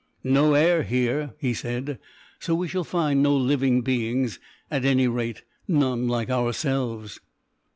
"No air here," he said, "so we shall find no living beings at any rate, none like ourselves."